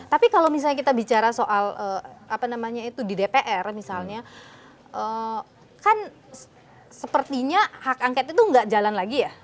tapi kalau misalnya kita bicara soal apa namanya itu di dpr misalnya kan sepertinya hak angket itu nggak jalan lagi ya